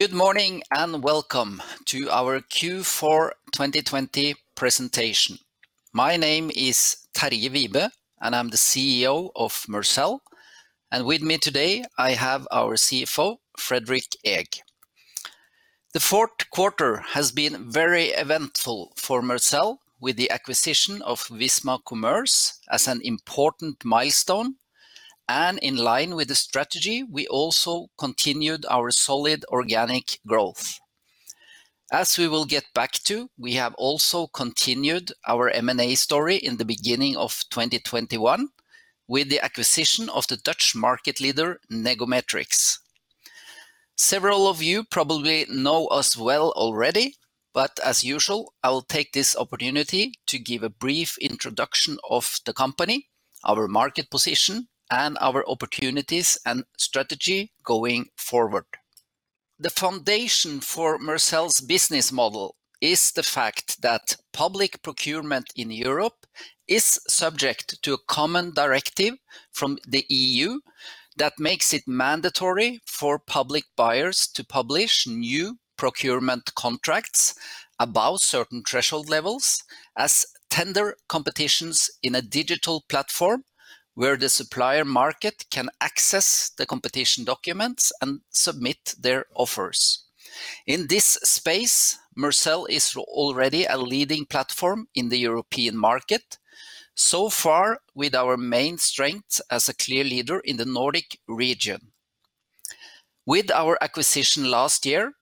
Good morning, welcome to our Q4 2020 Presentation. My name is Terje Wibe, and I'm the CEO of Mercell. With me today I have our CFO, Fredrik Eeg. The fourth quarter has been very eventful for Mercell, with the acquisition of Visma Commerce as an important milestone. In line with the strategy, we also continued our solid organic growth. As we will get back to, we have also continued our M&A story in the beginning of 2021, with the acquisition of the Dutch market leader, Negometrix. Several of you probably know us well already, but as usual, I will take this opportunity to give a brief introduction of the company, our market position, and our opportunities and strategy going forward. The foundation for Mercell's business model is the fact that public procurement in Europe is subject to a common directive from the EU that makes it mandatory for public buyers to publish new procurement contracts above certain threshold levels as tender competitions in a digital platform where the supplier market can access the competition documents and submit their offers. In this space, Mercell is already a leading platform in the European market, so far with our main strengths as a clear leader in the Nordic region. With our acquisition last year,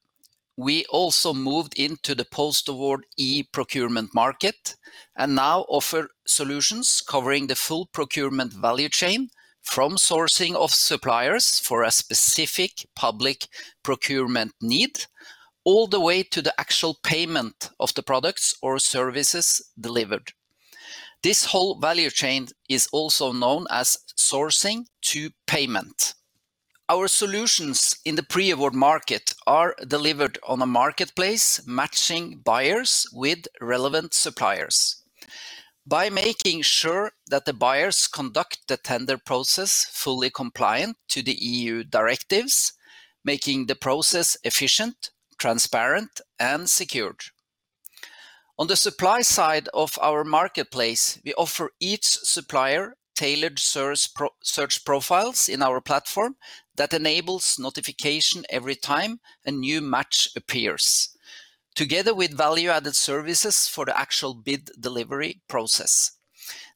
we also moved into the post-award e-procurement market, and now offer solutions covering the full procurement value chain from sourcing of suppliers for a specific public procurement need, all the way to the actual payment of the products or services delivered. This whole value chain is also known as sourcing-to-payment. Our solutions in the pre-award market are delivered on a marketplace matching buyers with relevant suppliers. By making sure that the buyers conduct the tender process fully compliant to the EU directives, making the process efficient, transparent, and secured. On the supply side of our marketplace, we offer each supplier tailored search profiles in our platform that enables notification every time a new match appears, together with value-added services for the actual bid delivery process.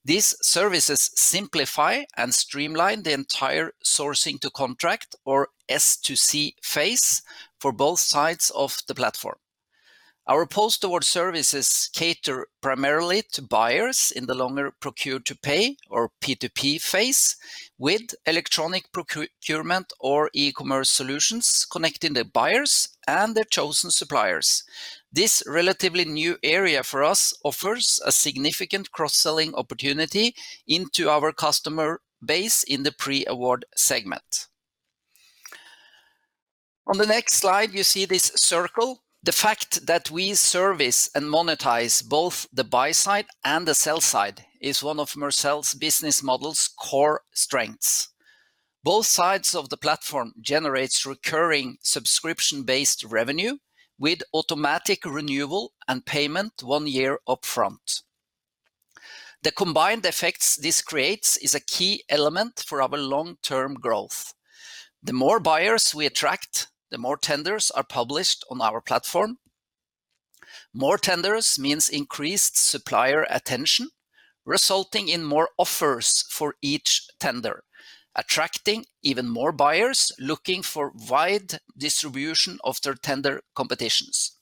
These services simplify and streamline the entire sourcing to contract or S2C phase for both sides of the platform. Our post-award services cater primarily to buyers in the longer procure-to-pay or P2P phase with e-procurement or e-commerce solutions connecting the buyers and their chosen suppliers. This relatively new area for us offers a significant cross-selling opportunity into our customer base in the pre-award segment. On the next slide, you see this circle. The fact that we service and monetize both the buy side and the sell side is one of Mercell's business model's core strengths. Both sides of the platform generates recurring subscription-based revenue with automatic renewal and payment one year upfront. The combined effects this creates is a key element for our long-term growth. The more buyers we attract, the more tenders are published on our platform. More tenders means increased supplier attention, resulting in more offers for each tender, attracting even more buyers looking for wide distribution of their tender competitions.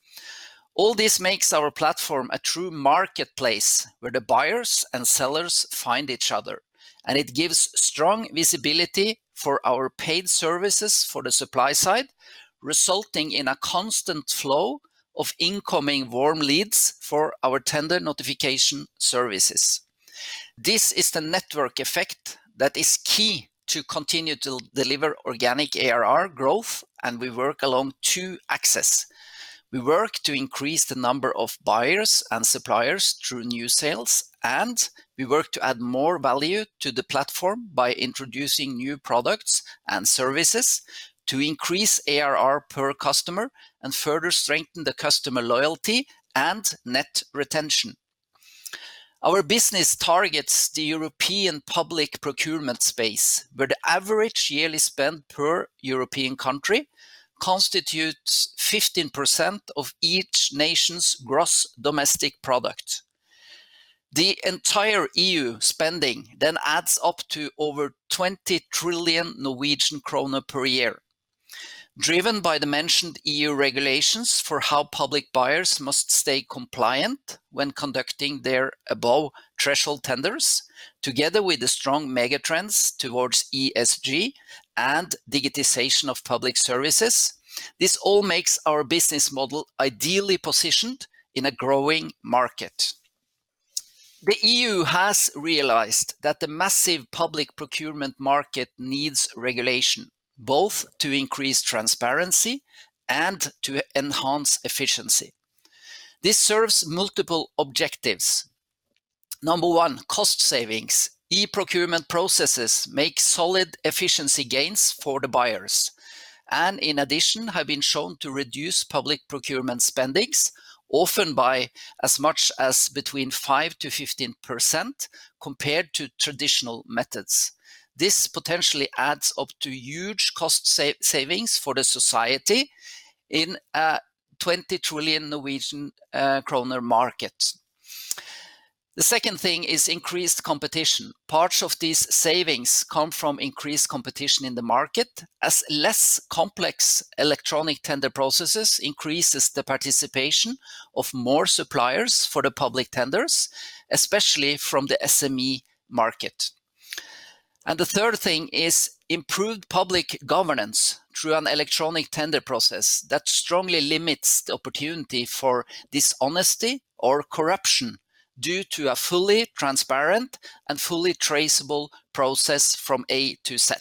All this makes our platform a true marketplace where the buyers and sellers find each other, and it gives strong visibility for our paid services for the supply side, resulting in a constant flow of incoming warm leads for our tender notification services. This is the network effect that is key to continue to deliver organic ARR growth. We work along two axes. We work to increase the number of buyers and suppliers through new sales. We work to add more value to the platform by introducing new products and services to increase ARR per customer and further strengthen the customer loyalty and net retention. Our business targets the European public procurement space, where the average yearly spend per European country constitutes 15% of each nation's gross domestic product. The entire EU spending adds up to over 20 trillion Norwegian kroner per year. Driven by the mentioned EU regulations for how public buyers must stay compliant when conducting their above-threshold tenders, together with the strong mega trends towards ESG and digitization of public services, this all makes our business model ideally positioned in a growing market. The EU has realized that the massive public procurement market needs regulation, both to increase transparency and to enhance efficiency. This serves multiple objectives. Number 1, cost savings. E-procurement processes make solid efficiency gains for the buyers, and in addition, have been shown to reduce public procurement spendings, often by as much as between 5%-15% compared to traditional methods. This potentially adds up to huge cost savings for the society in a 20 trillion Norwegian kroner market. The second thing is increased competition. Parts of these savings come from increased competition in the market, as less complex electronic tender processes increases the participation of more suppliers for the public tenders, especially from the SME market. The third thing is improved public governance through an electronic tender process that strongly limits the opportunity for dishonesty or corruption due to a fully transparent and fully traceable process from A to Z.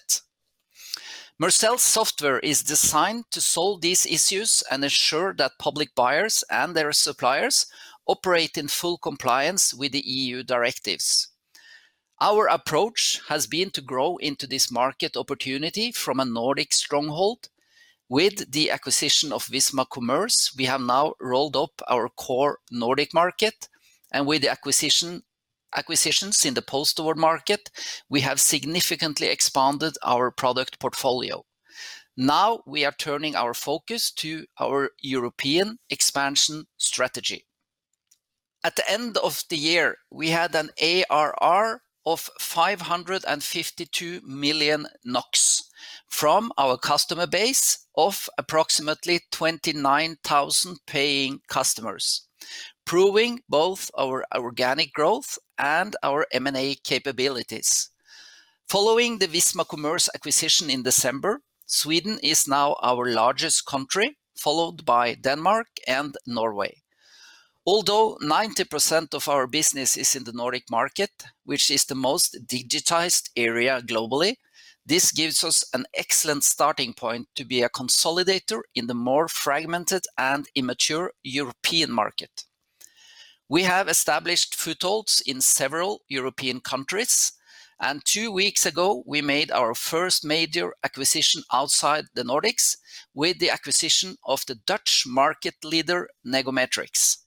Mercell software is designed to solve these issues and ensure that public buyers and their suppliers operate in full compliance with the EU directives. Our approach has been to grow into this market opportunity from a Nordic stronghold. With the acquisition of Visma Commerce, we have now rolled up our core Nordic market, and with the acquisitions in the post-award market, we have significantly expanded our product portfolio. We are turning our focus to our European expansion strategy. At the end of the year, we had an ARR of 552 million NOK from our customer base of approximately 29,000 paying customers, proving both our organic growth and our M&A capabilities. Following the Visma Commerce acquisition in December, Sweden is now our largest country, followed by Denmark and Norway. Although 90% of our business is in the Nordic market, which is the most digitized area globally, this gives us an excellent starting point to be a consolidator in the more fragmented and immature European market. We have established footholds in several European countries, and two weeks ago, we made our first major acquisition outside the Nordics with the acquisition of the Dutch market leader, Negometrix.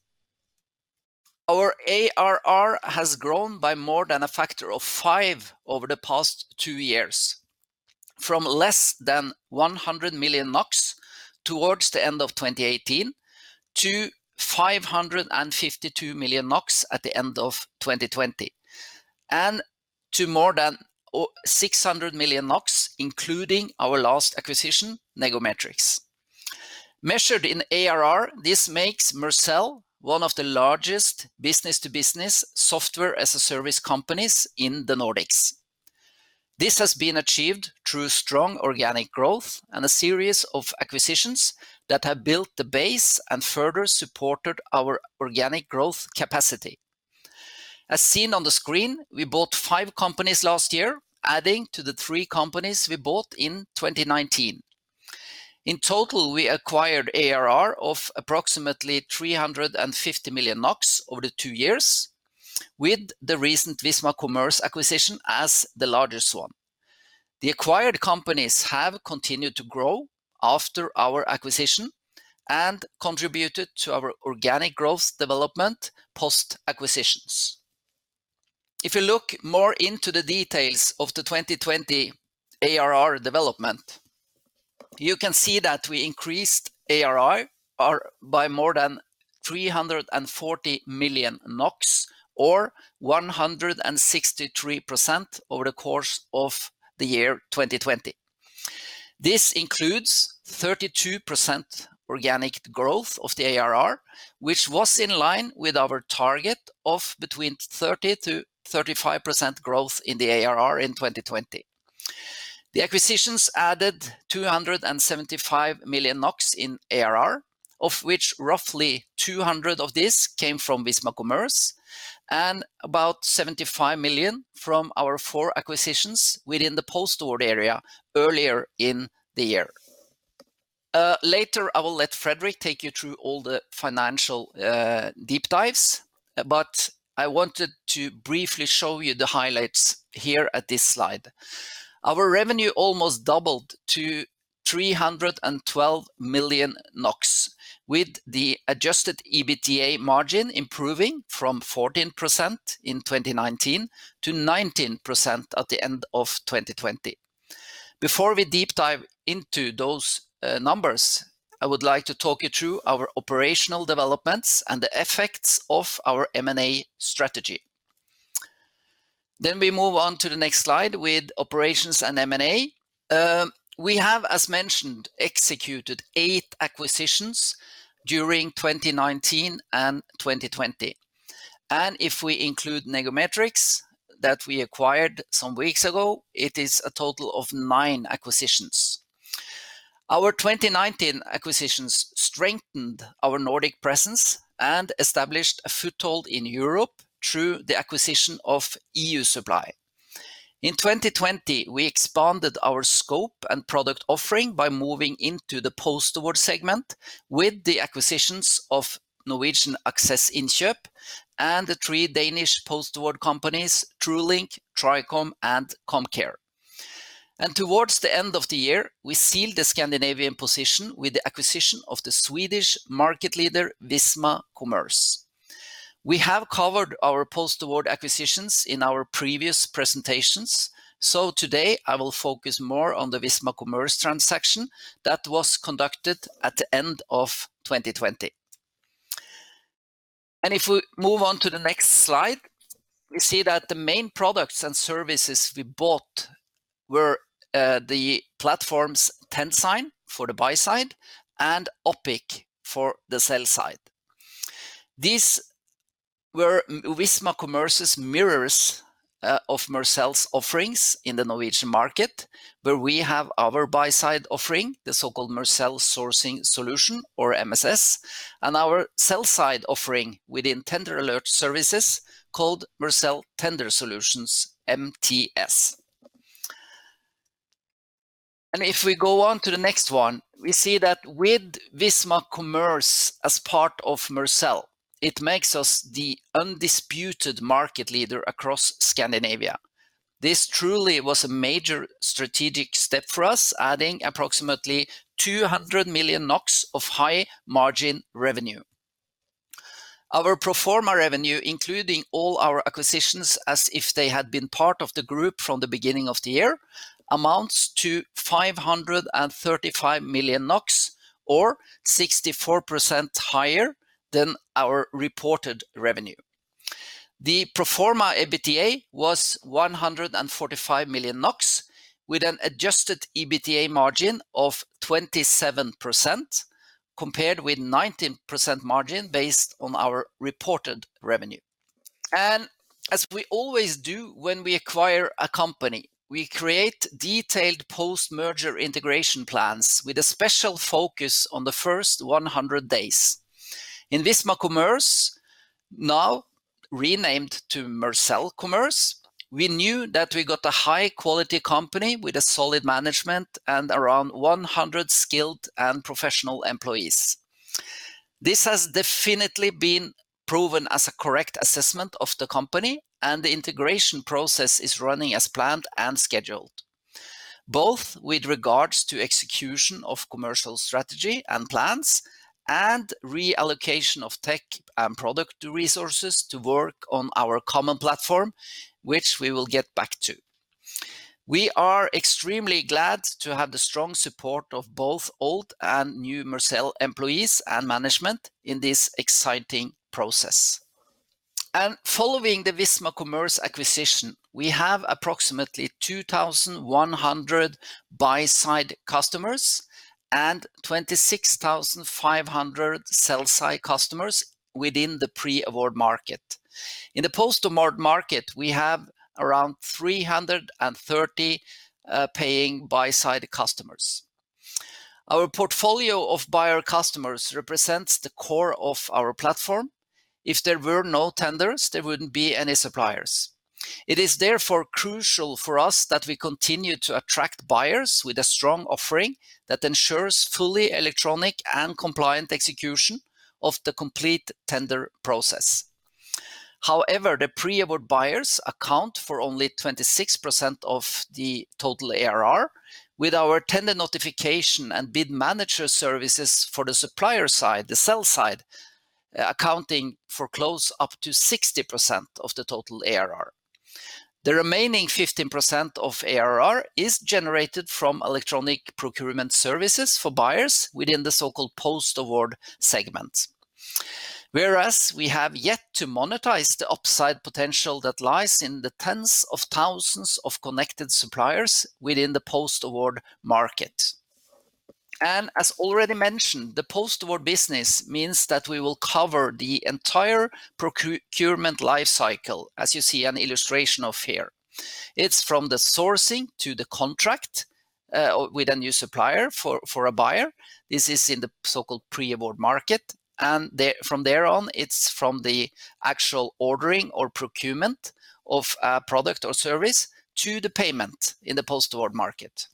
Our ARR has grown by more than a factor of five over the past two years, from less than 100 million NOK towards the end of 2018 to 552 million NOK at the end of 2020, and to more than 600 million NOK, including our last acquisition, Negometrix. Measured in ARR, this makes Mercell one of the largest business-to-business software as a service companies in the Nordics. This has been achieved through strong organic growth and a series of acquisitions that have built the base and further supported our organic growth capacity. As seen on the screen, we bought five companies last year, adding to the three companies we bought in 2019. In total, we acquired ARR of approximately 350 million NOK over the two years, with the recent Visma Commerce acquisition as the largest one. The acquired companies have continued to grow after our acquisition and contributed to our organic growth development post-acquisitions. If you look more into the details of the 2020 ARR development, you can see that we increased ARR by more than 340 million NOK, or 163%, over the course of the year 2020. This includes 32% organic growth of the ARR, which was in line with our target of between 30%-35% growth in the ARR in 2020. The acquisitions added 275 million NOK in ARR, of which roughly 200 of this came from Visma Commerce and about 75 million from our four acquisitions within the post-award area earlier in the year. Later, I will let Fredrik take you through all the financial deep dives, but I wanted to briefly show you the highlights here at this slide. Our revenue almost doubled to 312 million NOK with the adjusted EBITDA margin improving from 14% in 2019 to 19% at the end of 2020. Before we deep dive into those numbers, I would like to talk you through our operational developments and the effects of our M&A strategy. We move on to the next slide with operations and M&A. We have, as mentioned, executed eight acquisitions during 2019 and 2020, and if we include Negometrix that we acquired some weeks ago, it is a total of nine acquisitions. Our 2019 acquisitions strengthened our Nordic presence and established a foothold in Europe through the acquisition of EU Supply. In 2020, we expanded our scope and product offering by moving into the post-award segment with the acquisitions of Norwegian Aksess Innkjøp and the three Danish post-award companies, TrueLink, Tricom, and Comcare. Towards the end of the year, we sealed the Scandinavian position with the acquisition of the Swedish market leader, Visma Commerce. We have covered our post-award acquisitions in our previous presentations, so today I will focus more on the Visma Commerce transaction that was conducted at the end of 2020. If we move on to the next slide, we see that the main products and services we bought were the platforms TendSign for the buy side and Opic for the sell side. These were Visma Commerce's mirrors of Mercell's offerings in the Norwegian market, where we have our buy-side offering, the so-called Mercell Sourcing Solution, or MSS, and our sell side offering within tender alert services called Mercell Tender Solutions, MTS. If we go on to the next one, we see that with Visma Commerce as part of Mercell, it makes us the undisputed market leader across Scandinavia. This truly was a major strategic step for us, adding approximately 200 million NOK of high-margin revenue. Our pro forma revenue, including all our acquisitions, as if they had been part of the group from the beginning of the year, amounts to 535 million NOK, or 64% higher than our reported revenue. The pro forma EBITDA was 145 million NOK, with an adjusted EBITDA margin of 27%, compared with 19% margin based on our reported revenue. As we always do when we acquire a company, we create detailed post-merger integration plans with a special focus on the first 100 days. In Visma Commerce, now renamed to Mercell Commerce, we knew that we got a high-quality company with a solid management and around 100 skilled and professional employees. This has definitely been proven as a correct assessment of the company. The integration process is running as planned and scheduled, both with regards to execution of commercial strategy and plans and reallocation of tech and product resources to work on our common platform, which we will get back to. We are extremely glad to have the strong support of both old and new Mercell employees and management in this exciting process. Following the Visma Commerce acquisition, we have approximately 2,100 buy-side customers and 26,500 sell-side customers within the pre-award market. In the post-award market, we have around 330 paying buy-side customers. Our portfolio of buyer customers represents the core of our platform. If there were no tenders, there wouldn't be any suppliers. It is therefore crucial for us that we continue to attract buyers with a strong offering that ensures fully electronic and compliant execution of the complete tender process. However, the pre-award buyers account for only 26% of the total ARR, with our tender notification and Bid Manager services for the supplier side, the sell side, accounting for close up to 60% of the total ARR. The remaining 15% of ARR is generated from e-procurement services for buyers within the so-called post-award segment. We have yet to monetize the upside potential that lies in the tens of thousands of connected suppliers within the post-award market. As already mentioned, the post-award business means that we will cover the entire procurement lifecycle, as you see an illustration of here. It's from the sourcing to the contract with a new supplier for a buyer. This is in the so-called pre-award market, from there on, it's from the actual ordering or procurement of a product or service to the payment in the post-award market.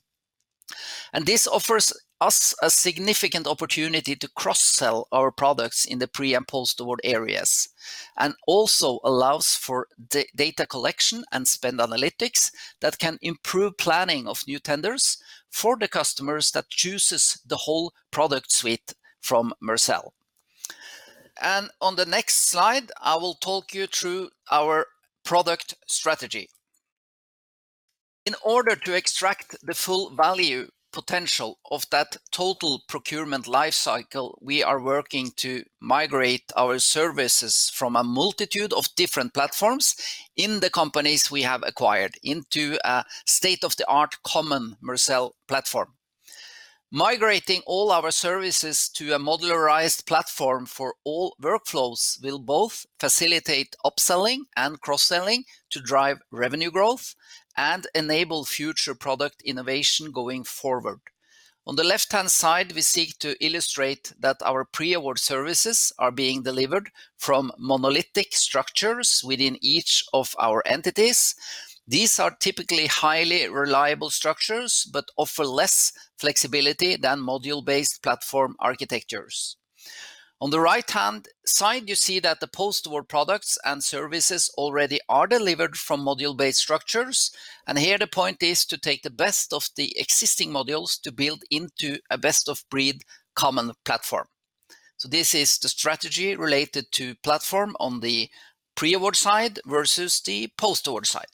This offers us a significant opportunity to cross-sell our products in the pre- and post-award areas and also allows for data collection and spend analytics that can improve planning of new tenders for the customers that chooses the whole product suite from Mercell. On the next slide, I will talk you through our product strategy. In order to extract the full value potential of that total procurement lifecycle, we are working to migrate our services from a multitude of different platforms in the companies we have acquired into a state-of-the-art common Mercell platform. Migrating all our services to a modularized platform for all workflows will both facilitate upselling and cross-selling to drive revenue growth and enable future product innovation going forward. On the left-hand side, we seek to illustrate that our pre-award services are being delivered from monolithic structures within each of our entities. These are typically highly reliable structures but offer less flexibility than module-based platform architectures. On the right-hand side, you see that the post-award products and services already are delivered from module-based structures. Here the point is to take the best of the existing modules to build into a best-of-breed common platform. This is the strategy related to platform on the pre-award side versus the post-award side.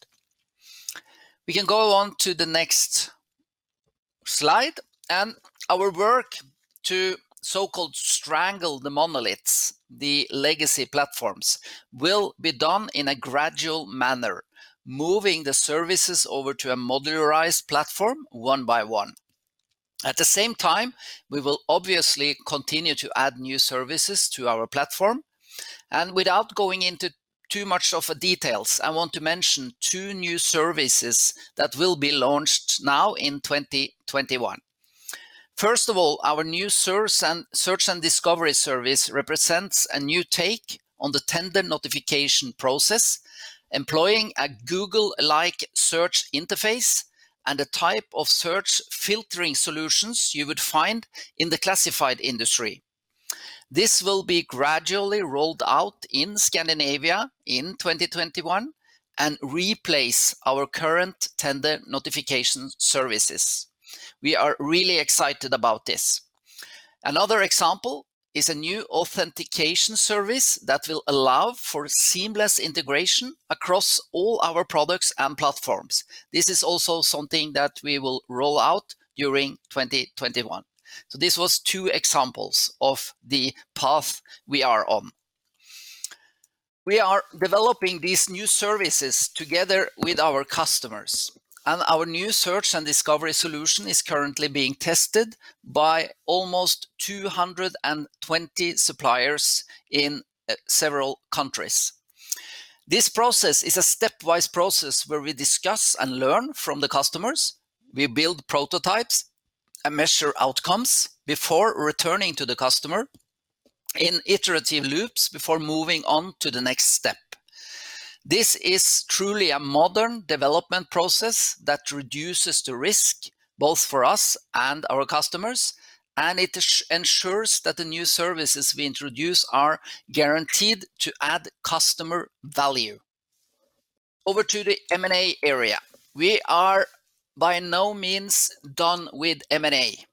We can go on to the next slide. Our work to so-called strangle the monoliths, the legacy platforms, will be done in a gradual manner, moving the services over to a modularized platform one by one. At the same time, we will obviously continue to add new services to our platform. Without going into too much of details, I want to mention two new services that will be launched now in 2021. First of all, our new Search and Discovery service represents a new take on the tender notification process, employing a Google-like search interface and a type of search filtering solutions you would find in the classified industry. This will be gradually rolled out in Scandinavia in 2021 and replace our current tender notification services. We are really excited about this. Another example is a new authentication service that will allow for seamless integration across all our products and platforms. This is also something that we will roll out during 2021. This was two examples of the path we are on. We are developing these new services together with our customers. Our new Search and Discovery solution is currently being tested by almost 220 suppliers in several countries. This process is a stepwise process where we discuss and learn from the customers. We build prototypes and measure outcomes before returning to the customer in iterative loops before moving on to the next step. This is truly a modern development process that reduces the risk both for us and our customers. It ensures that the new services we introduce are guaranteed to add customer value. Over to the M&A area. We are by no means done with M&A.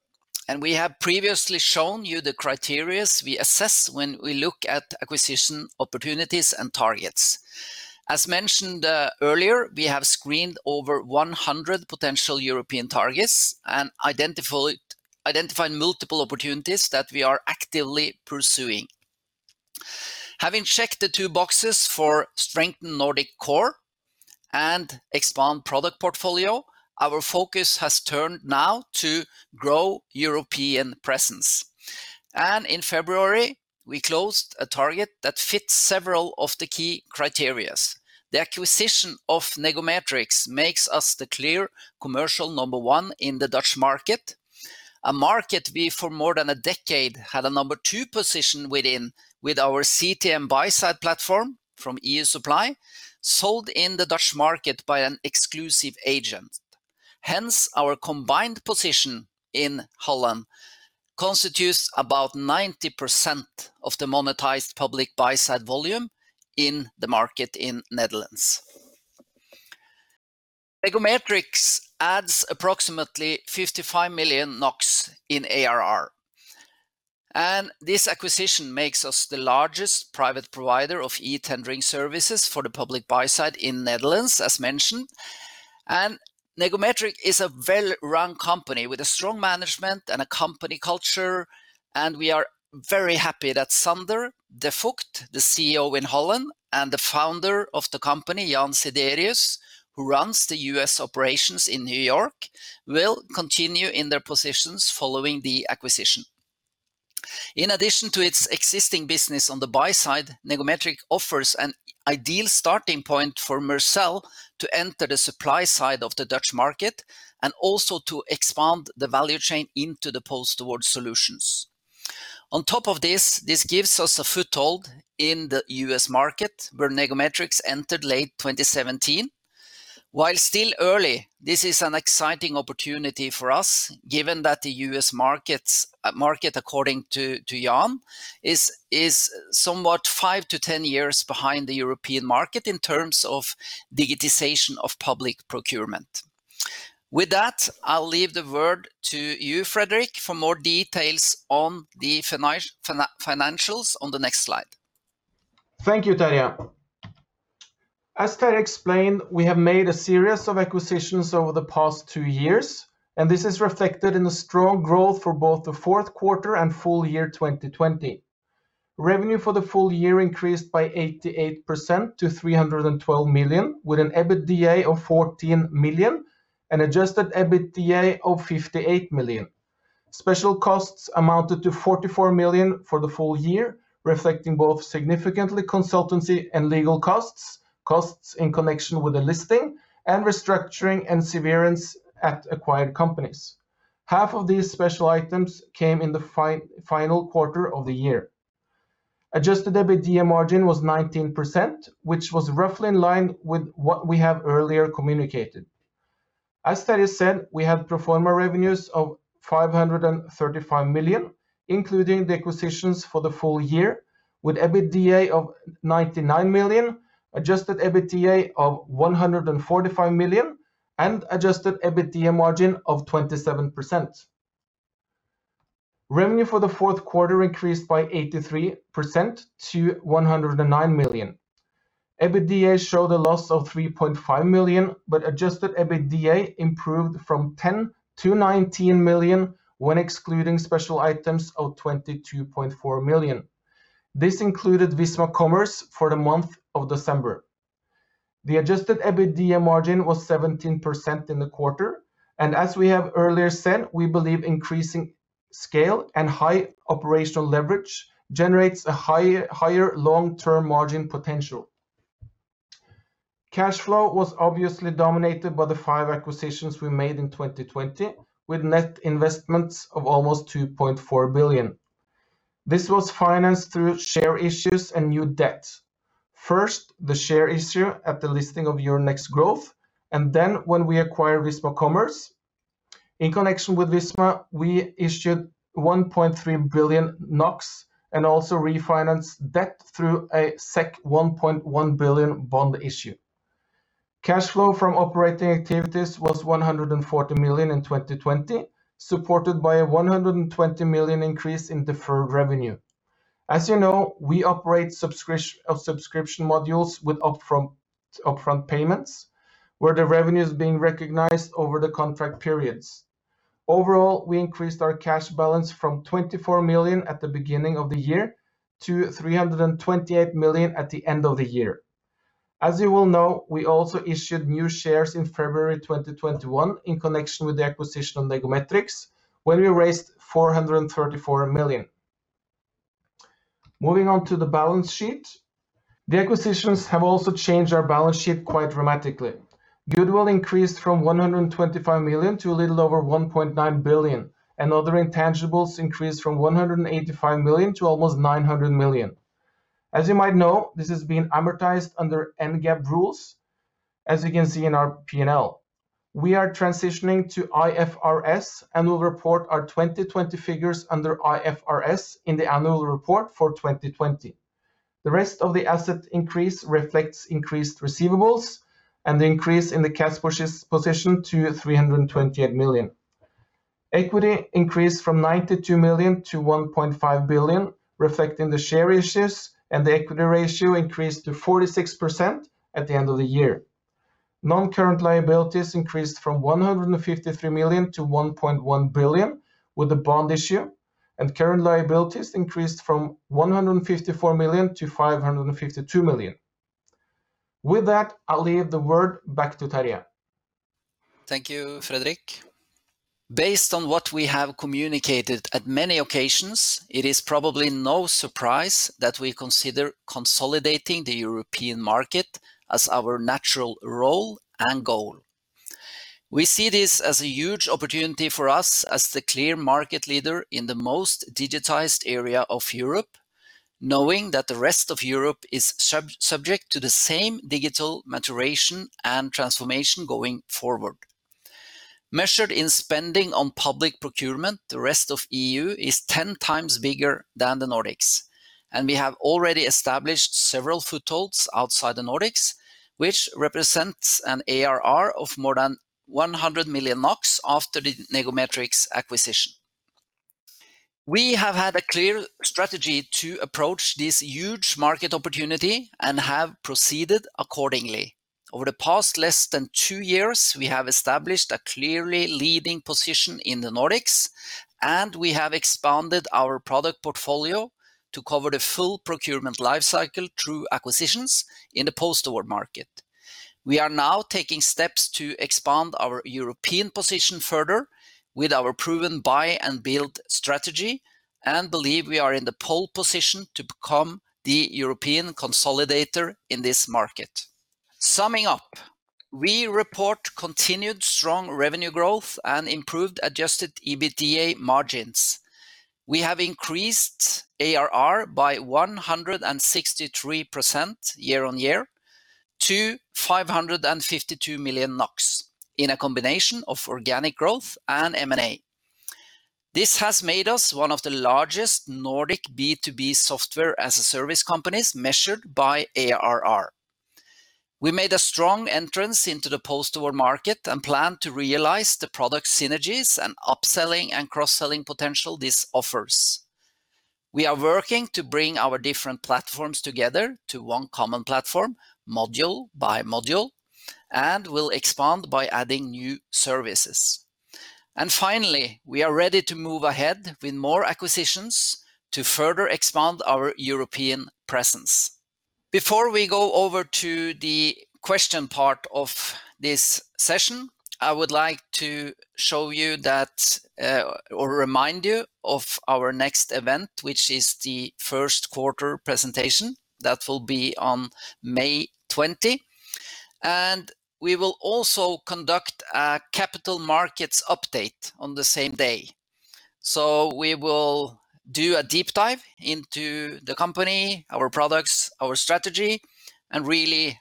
We have previously shown you the criterias we assess when we look at acquisition opportunities and targets. As mentioned earlier, we have screened over 100 potential European targets and identified multiple opportunities that we are actively pursuing. Having checked the two boxes for strengthen Nordic core and expand product portfolio, our focus has turned now to grow European presence. In February, we closed a target that fits several of the key criteria. The acquisition of Negometrix makes us the clear commercial number one in the Dutch market. A market we, for more than a decade, had a number two position within, with our CTM buy-side platform from EU Supply, sold in the Dutch market by an exclusive agent. Hence, our combined position in Holland constitutes about 90% of the monetized public buy-side volume in the market in Netherlands. Negometrix adds approximately 55 million NOK in ARR. This acquisition makes us the largest private provider of e-tendering services for the public buy side in Netherlands, as mentioned. Negometrix is a well-run company with a strong management and a company culture, and we are very happy that Sander de Vocht, the CEO in Holland and the founder of the company, Jan Siderius, who runs the U.S. operations in New York, will continue in their positions following the acquisition. In addition to its existing business on the buy side, Negometrix offers an ideal starting point for Mercell to enter the supply side of the Dutch market and also to expand the value chain into the post-award solutions. On top of this gives us a foothold in the U.S. market, where Negometrix entered late 2017. While still early, this is an exciting opportunity for us, given that the U.S. market, according to Jan, is somewhat two to 10 years behind the European market in terms of digitization of public procurement. With that, I'll leave the word to you, Fredrik, for more details on the financials on the next slide. Thank you, Terje. As Terje explained, we have made a series of acquisitions over the past two years. This is reflected in the strong growth for both the fourth quarter and full year 2020. Revenue for the full year increased by 88% to 312 million, with an EBITDA of 14 million and adjusted EBITDA of 58 million. Special costs amounted to 44 million for the full year, reflecting both significantly consultancy and legal costs in connection with the listing. Restructuring and severance at acquired companies. Half of these special items came in the final quarter of the year. Adjusted EBITDA margin was 19%, which was roughly in line with what we have earlier communicated. As Terje said, we had pro forma revenues of 535 million, including the acquisitions for the full year, with EBITDA of 99 million, adjusted EBITDA of 145 million, and adjusted EBITDA margin of 27%. Revenue for the fourth quarter increased by 83% to 109 million. EBITDA showed a loss of 3.5 million, but adjusted EBITDA improved from 10 million to 19 million when excluding special items of 22.4 million. This included Visma Commerce for the month of December. The adjusted EBITDA margin was 17% in the quarter, and as we have earlier said, we believe increasing scale and high operational leverage generates a higher long-term margin potential. Cash flow was obviously dominated by the five acquisitions we made in 2020, with net investments of almost 2.4 billion. This was financed through share issues and new debt. First, the share issue at the listing of Euronext Growth, and then when we acquired Visma Commerce. In connection with Visma, we issued 1.3 billion NOK and also refinanced debt through a 1.1 billion bond issue. Cash flow from operating activities was 140 million in 2020, supported by a 120 million increase in deferred revenue. As you know, we operate subscription modules with upfront payments, where the revenue is being recognized over the contract periods. Overall, we increased our cash balance from 24 million at the beginning of the year to 328 million at the end of the year. As you will know, we also issued new shares in February 2021 in connection with the acquisition of Negometrix, when we raised 434 million. Moving on to the balance sheet. The acquisitions have also changed our balance sheet quite dramatically. Goodwill increased from 125 million to a little over 1.9 billion, and other intangibles increased from 185 million to almost 900 million. As you might know, this is being amortized under NGAAP rules, as you can see in our P&L. We are transitioning to IFRS and will report our 2020 figures under IFRS in the annual report for 2020. The rest of the asset increase reflects increased receivables and the increase in the cash position to 328 million. Equity increased from 92 million to 1.5 billion, reflecting the share issues, and the equity ratio increased to 46% at the end of the year. Non-current liabilities increased from 153 million to 1.1 billion with the bond issue, and current liabilities increased from 154 million to 552 million. With that, I'll leave the word back to Terje. Thank you, Fredrik. Based on what we have communicated at many occasions, it is probably no surprise that we consider consolidating the European market as our natural role and goal. We see this as a huge opportunity for us as the clear market leader in the most digitized area of Europe, knowing that the rest of Europe is subject to the same digital maturation and transformation going forward. Measured in spending on public procurement, the rest of EU is 10x bigger than the Nordics, and we have already established several footholds outside the Nordics, which represents an ARR of more than 100 million NOK after the Negometrix acquisition. We have had a clear strategy to approach this huge market opportunity and have proceeded accordingly. Over the past less than two years, we have established a clearly leading position in the Nordics, and we have expanded our product portfolio to cover the full procurement life cycle through acquisitions in the post-award market. We are now taking steps to expand our European position further with our proven buy and build strategy and believe we are in the pole position to become the European consolidator in this market. Summing up, we report continued strong revenue growth and improved adjusted EBITDA margins. We have increased ARR by 163% year-on-year to 552 million NOK in a combination of organic growth and M&A. This has made us one of the largest Nordic B2B software as a service companies measured by ARR. We made a strong entrance into the post-award market and plan to realize the product synergies and upselling and cross-selling potential this offers. We are working to bring our different platforms together to one common platform, module by module, and will expand by adding new services. Finally, we are ready to move ahead with more acquisitions to further expand our European presence. Before we go over to the question part of this session, I would like to show you that or remind you of our next event, which is the first quarter presentation. That will be on May 20. We will also conduct a capital markets update on the same day. We will do a deep dive into the company, our products, our strategy, and really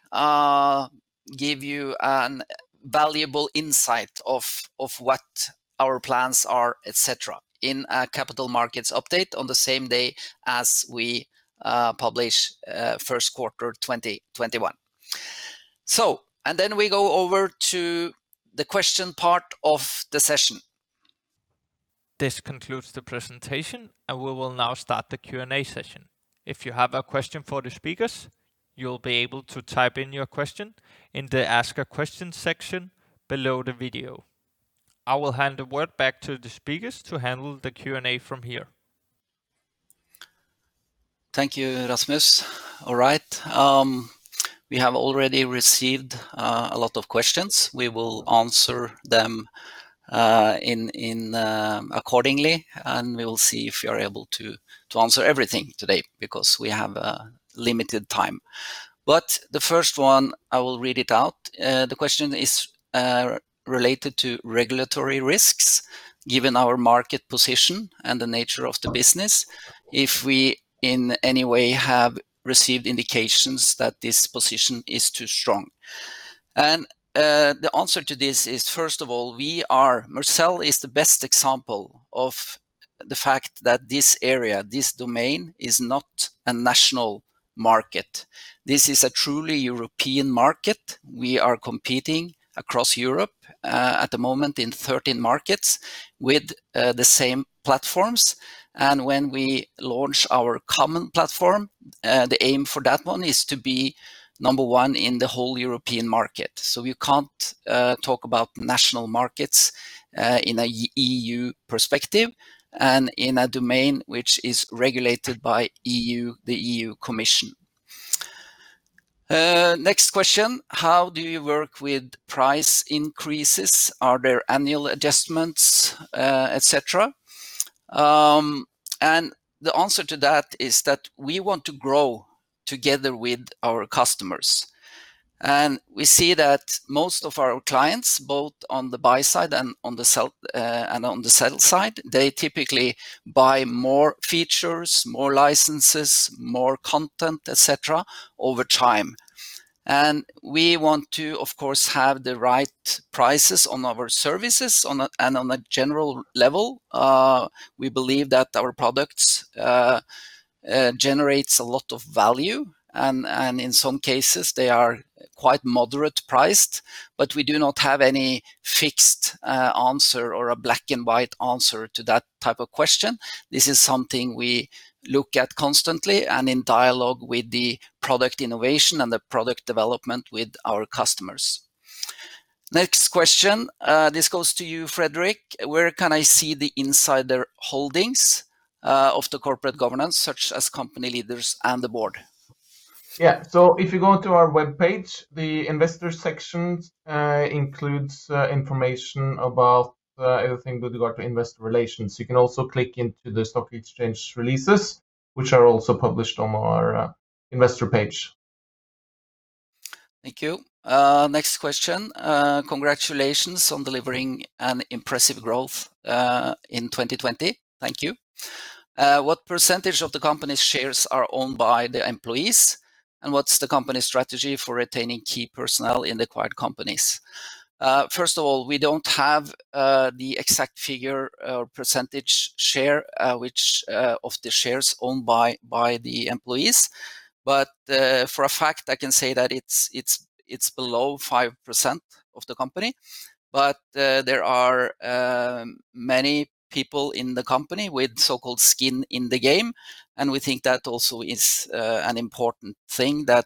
give you a valuable insight of what our plans are, et cetera, in a capital markets update on the same day as we publish first quarter 2021. Then we go over to the question part of the session. This concludes the presentation. We will now start the Q&A session. If you have a question for the speakers, you will be able to type in your question in the ask a question section below the video. I will hand the word back to the speakers to handle the Q&A from here. Thank you, Rasmus. All right. We have already received a lot of questions. We will answer them accordingly, and we will see if we are able to answer everything today because we have limited time. The first one, I will read it out. The question is related to regulatory risks, given our market position and the nature of the business, if we in any way have received indications that this position is too strong. The answer to this is, first of all, Mercell is the best example of the fact that this area, this domain, is not a national market. This is a truly European market. We are competing across Europe, at the moment in 13 markets, with the same platforms. When we launch our common platform, the aim for that one is to be number one in the whole European market. You can't talk about national markets in a EU perspective and in a domain which is regulated by the EU Commission. Next question: How do you work with price increases? Are there annual adjustments, et cetera? The answer to that is that we want to grow together with our customers. We see that most of our clients, both on the buy side and on the sell side, they typically buy more features, more licenses, more content, et cetera, over time. We want to, of course, have the right prices on our services. On a general level, we believe that our products generates a lot of value, and in some cases, they are quite moderate priced, but we do not have any fixed answer or a black-and-white answer to that type of question. This is something we look at constantly and in dialogue with the product innovation and the product development with our customers. Next question, this goes to you, Fredrik. Where can I see the insider holdings of the corporate governance, such as company leaders and the board? Yeah. If you go onto our webpage, the investor section includes information about everything with regard to investor relations. You can also click into the stock exchange releases, which are also published on our investor page. Thank you. Next question. Congratulations on delivering an impressive growth in 2020. Thank you. What % of the company's shares are owned by the employees, and what's the company strategy for retaining key personnel in the acquired companies? First of all, we don't have the exact figure or % share which of the shares owned by the employees. For a fact, I can say that it's below 5% of the company. There are many people in the company with so-called skin in the game, and we think that also is an important thing that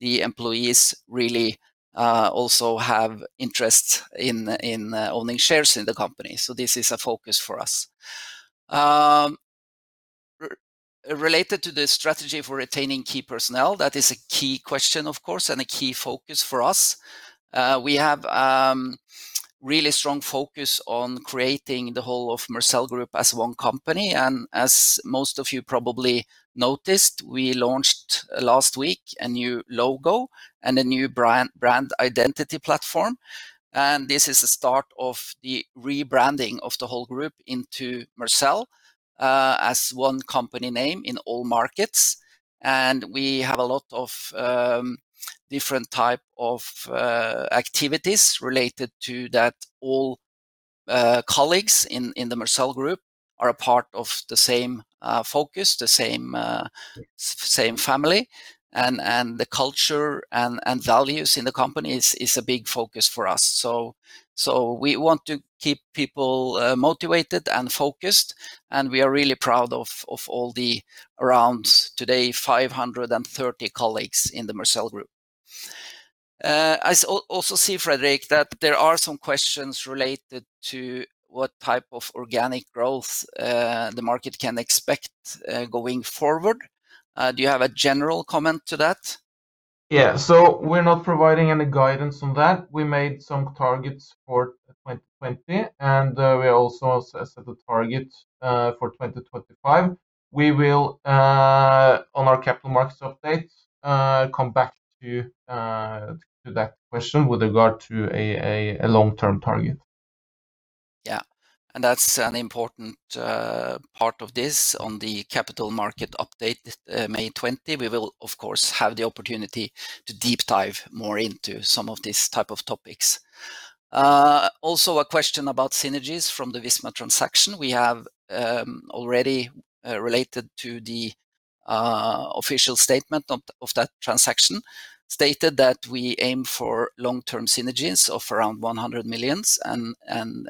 the employees really also have interest in owning shares in the company. This is a focus for us. Related to the strategy for retaining key personnel, that is a key question, of course, and a key focus for us. We have really strong focus on creating the whole of Mercell Group as one company. As most of you probably noticed, we launched last week a new logo and a new brand identity platform, and this is the start of the rebranding of the whole group into Mercell as one company name in all markets. We have a lot of different type of activities related to that. All colleagues in the Mercell Group are a part of the same focus, the same family, and the culture and values in the company is a big focus for us. We want to keep people motivated and focused, and we are really proud of all the, around today, 530 colleagues in the Mercell Group. I also see, Fredrik, that there are some questions related to what type of organic growth the market can expect going forward. Do you have a general comment to that? Yeah. We're not providing any guidance on that. We made some targets for 2020, and we also set a target for 2025. We will, on our Capital Markets Update, come back to that question with regard to a long-term target. Yeah. That's an important part of this on the Capital Market Update, May 20. We will, of course, have the opportunity to deep dive more into some of these type of topics. Also, a question about synergies from the Visma transaction. We have already related to the official statement of that transaction, stated that we aim for long-term synergies of around 100 million, and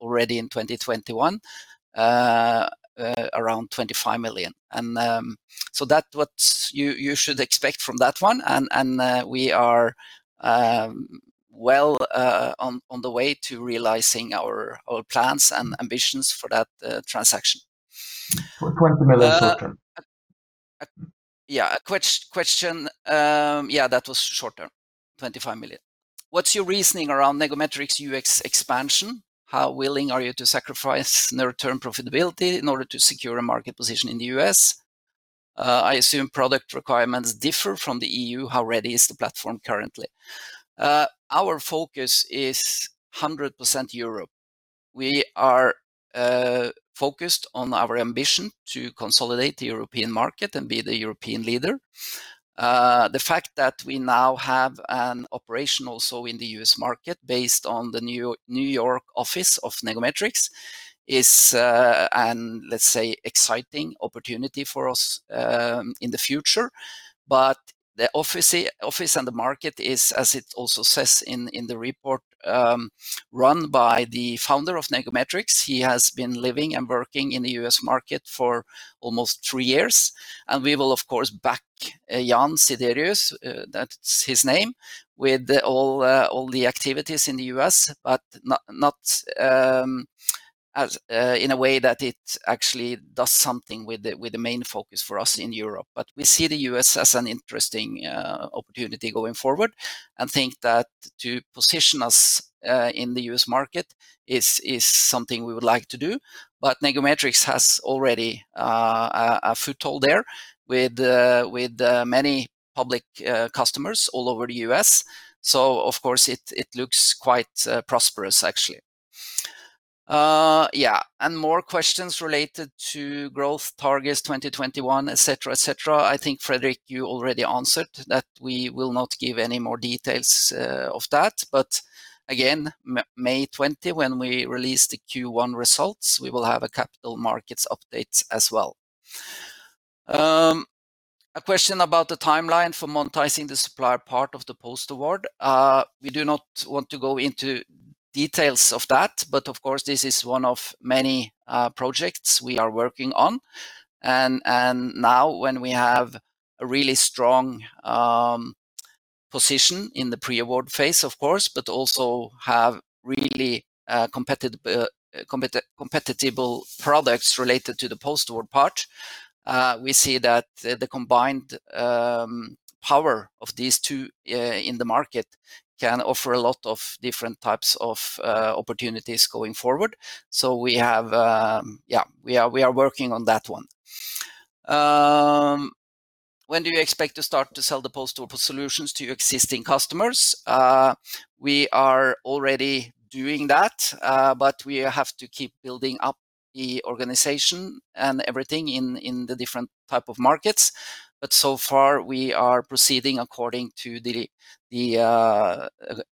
already in 2021, around 25 million. That's what you should expect from that one, and we are well on the way to realizing our plans and ambitions for that transaction. For 20 million short-term. Yeah. That was short-term, 25 million. What's your reasoning around Negometrix U.S. expansion? How willing are you to sacrifice near-term profitability in order to secure a market position in the U.S.? I assume product requirements differ from the EU. How ready is the platform currently? Our focus is 100% Europe. We are focused on our ambition to consolidate the European market and be the European leader. The fact that we now have an operation also in the U.S. market based on the New York office of Negometrix is, and let's say, exciting opportunity for us in the future. The office and the market is, as it also says in the report, run by the founder of Negometrix. He has been living and working in the U.S. market for almost three years. We will, of course, back Jan Siderius, that's his name, with all the activities in the U.S., but not in a way that it actually does something with the main focus for us in Europe. We see the U.S. as an interesting opportunity going forward and think that to position us in the U.S. market is something we would like to do. Negometrix has already a foothold there with many public customers all over the U.S. Of course it looks quite prosperous, actually. Yeah. More questions related to growth targets 2021, et cetera. I think, Fredrik, you already answered that we will not give any more details of that. Again, May 20, when we release the Q1 results, we will have a capital markets update as well. A question about the timeline for monetizing the supplier part of the post-award. We do not want to go into details of that, but of course, this is one of many projects we are working on. Now when we have a really strong position in the pre-award phase, of course, but also have really competitive products related to the post-award part, we see that the combined power of these two in the market can offer a lot of different types of opportunities going forward. We are working on that one. When do you expect to start to sell the post-award solutions to your existing customers? We are already doing that. We have to keep building up the organization and everything in the different type of markets. So far, we are proceeding according to the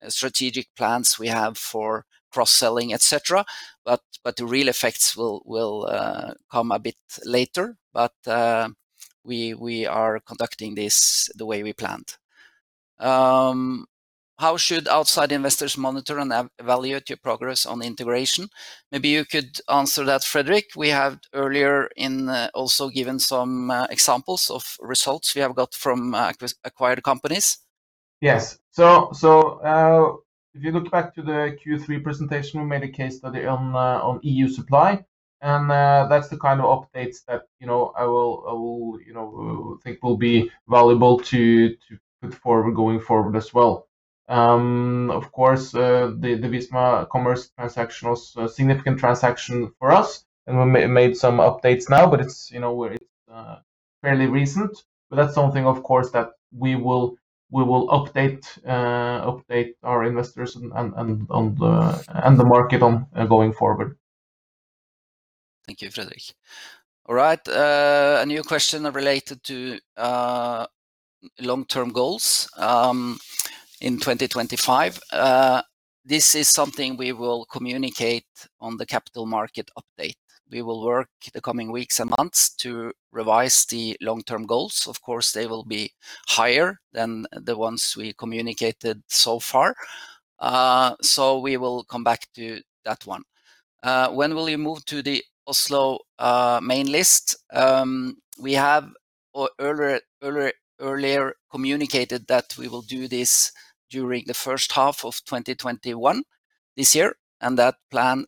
strategic plans we have for cross-selling, et cetera. The real effects will come a bit later. We are conducting this the way we planned. How should outside investors monitor and evaluate your progress on the integration? Maybe you could answer that, Fredrik. We have earlier also given some examples of results we have got from acquired companies. Yes. If you look back to the Q3 presentation, we made a case study on EU Supply, and that's the kind of updates that I think will be valuable to put forward going forward as well. Of course, the Visma Commerce transaction was a significant transaction for us, and we made some updates now, but it's fairly recent. That's something, of course, that we will update our investors and the market on going forward. Thank you, Fredrik. All right. A new question related to long-term goals in 2025. This is something we will communicate on the capital market update. We will work the coming weeks and months to revise the long-term goals. Of course, they will be higher than the ones we communicated so far. We will come back to that one. When will you move to the Oslo main list? We have earlier communicated that we will do this during the first half of 2021, this year, and that plan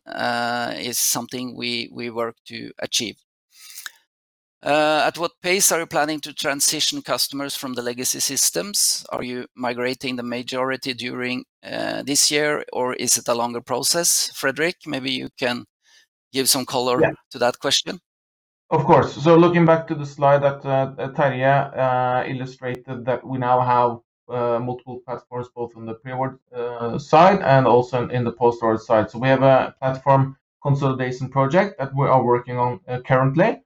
is something we work to achieve. At what pace are you planning to transition customers from the legacy systems? Are you migrating the majority during this year, or is it a longer process? Fredrik, maybe you can give some color to that question. Of course. Looking back to the slide that Terje illustrated, that we now have multiple platforms, both on the pre-award side and also in the post-award side. We have a platform consolidation project that we are working on currently,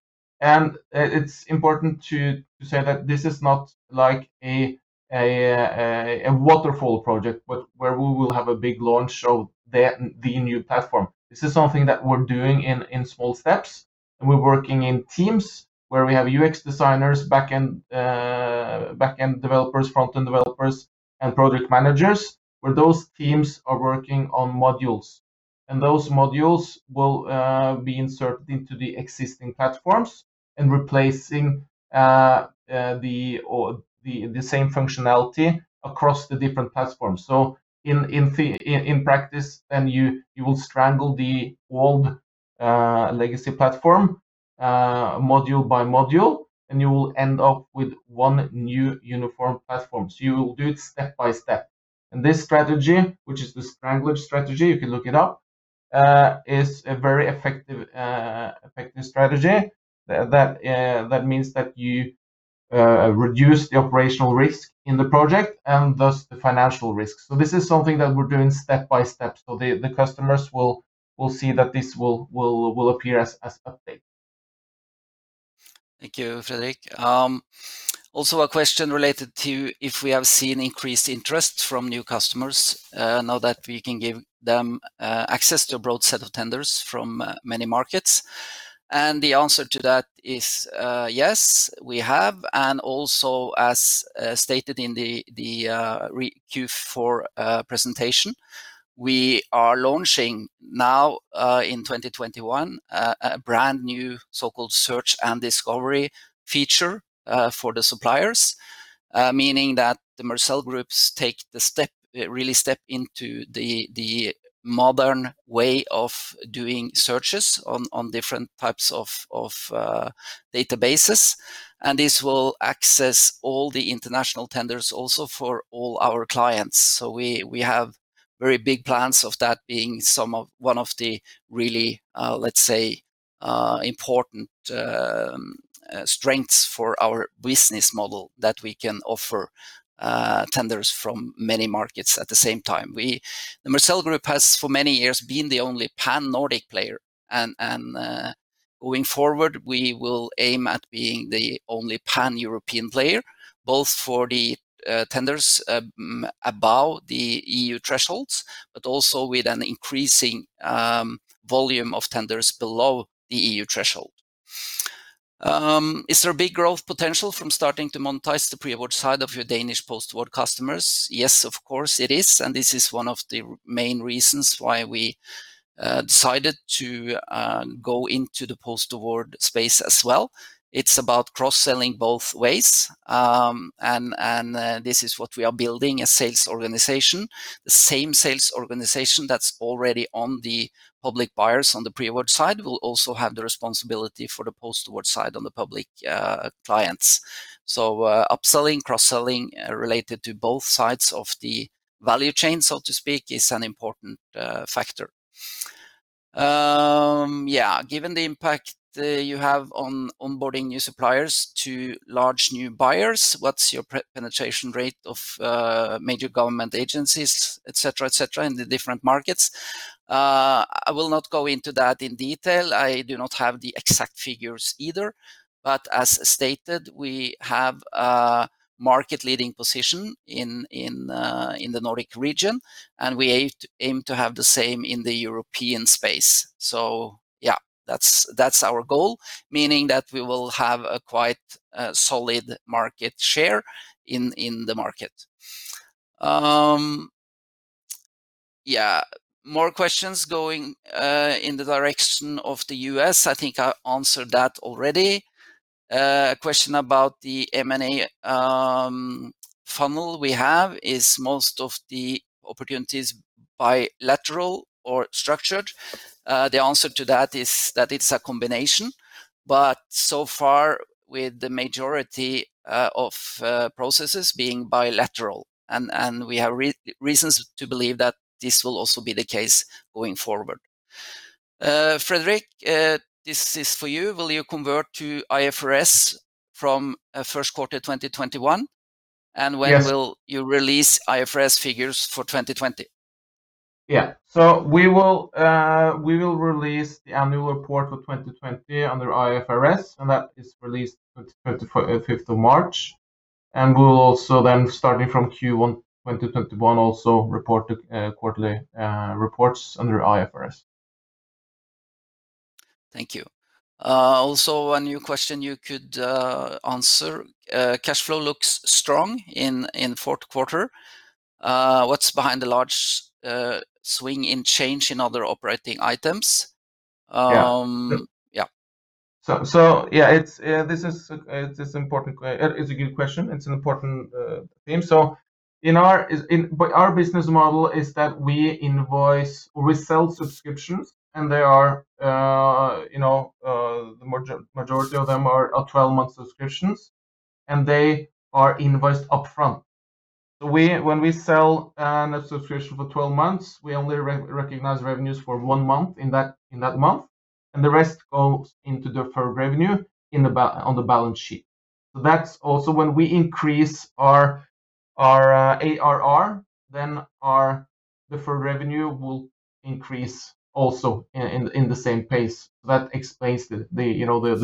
it's important to say that this is not like a waterfall project where we will have a big launch of the new platform. This is something that we're doing in small steps, we're working in teams where we have UX designers, back-end developers, front-end developers, and product managers, where those teams are working on modules. Those modules will be inserted into the existing platforms and replacing the same functionality across the different platforms. In practice, you will strangle the old legacy platform module by module, you will end up with one new uniform platform. You will do it step by step. This strategy, which is the Strangler Strategy, you can look it up, is a very effective strategy. That means that you reduce the operational risk in the project and thus the financial risk. This is something that we're doing step by step, so the customers will see that this will appear as updates. Thank you, Fredrik. A question related to if we have seen increased interest from new customers now that we can give them access to a broad set of tenders from many markets. The answer to that is yes, we have, also, as stated in the Q4 presentation, we are launching now in 2021, a brand-new so-called Search and Discovery feature for the suppliers. Meaning that the Mercell Group take the step, really step into the modern way of doing searches on different types of databases. This will access all the international tenders also for all our clients. We have very big plans of that being one of the really, let's say, important strengths for our business model that we can offer tenders from many markets at the same time. The Mercell Group has for many years been the only Pan-Nordic player. Going forward, we will aim at being the only Pan-European player, both for the tenders above the EU thresholds, also with an increasing volume of tenders below the EU threshold. Is there a big growth potential from starting to monetize the pre-award side of your Danish post-award customers? Yes, of course it is. This is one of the main reasons why we decided to go into the post-award space as well. It's about cross-selling both ways. This is what we are building, a sales organization. The same sales organization that's already on the public buyers on the pre-award side will also have the responsibility for the post-award side on the public clients. Upselling, cross-selling related to both sides of the value chain, so to speak, is an important factor. Given the impact you have on onboarding new suppliers to large new buyers, what's your penetration rate of major government agencies, et cetera, et cetera, in the different markets? I will not go into that in detail. I do not have the exact figures either. As stated, we have a market-leading position in the Nordic region, and we aim to have the same in the European space. Yeah, that's our goal, meaning that we will have a quite solid market share in the market. More questions going in the direction of the U.S. I think I answered that already. A question about the M&A funnel we have is most of the opportunities bilateral or structured? The answer to that is that it's a combination, but so far with the majority of processes being bilateral, and we have reasons to believe that this will also be the case going forward. Fredrik, this is for you. Will you convert to IFRS from first quarter 2021? Yes. When will you release IFRS figures for 2020? Yeah. We will release the annual report for 2020 under IFRS. That is released 5th of March. We will also then, starting from Q1 2021, also report quarterly reports under IFRS. Thank you. A new question you could answer. Cash flow looks strong in fourth quarter. What's behind the large swing in change in other operating items?. Yeah, it's a good question. It's an important theme. Our business model is that we invoice resells subscriptions, and the majority of them are 12-month subscriptions, and they are invoiced upfront. When we sell a subscription for 12 months, we only recognize revenues for one month in that month, and the rest goes into deferred revenue on the balance sheet. That's also when we increase our ARR, then deferred revenue will increase also in the same pace. That explains the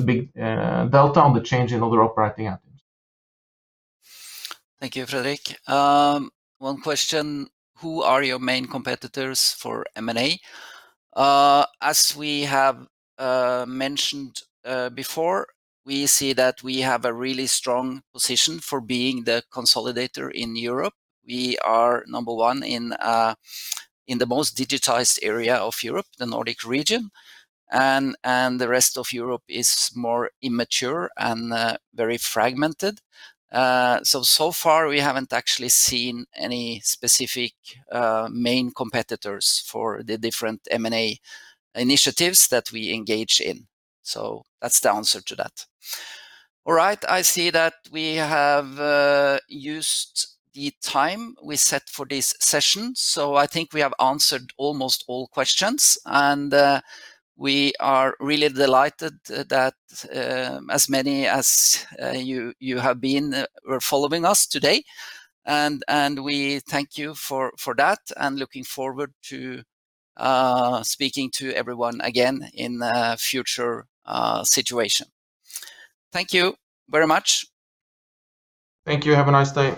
big delta on the change in other operating items. Thank you, Fredrik. One question, who are your main competitors for M&A? As we have mentioned before, we see that we have a really strong position for being the consolidator in Europe. We are number one in the most digitized area of Europe, the Nordic region, and the rest of Europe is more immature and very fragmented. So far, we haven't actually seen any specific main competitors for the different M&A initiatives that we engage in. That's the answer to that. All right. I see that we have used the time we set for this session. I think we have answered almost all questions, and we are really delighted that as many as you have been following us today, and we thank you for that and looking forward to speaking to everyone again in a future situation. Thank you very much. Thank you. Have a nice day.